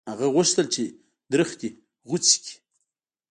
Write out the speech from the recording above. هغه غوښتل چې درخت غوڅ کړي.